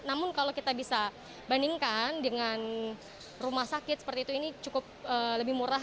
namun kalau kita bisa bandingkan dengan rumah sakit seperti itu ini cukup lebih murah